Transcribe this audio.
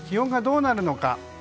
気温がどうなるのか。